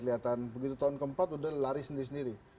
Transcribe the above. kelihatan begitu tahun ke empat udah lari sendiri sendiri